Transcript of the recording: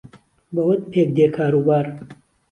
به وەت پێکدێ کار و بار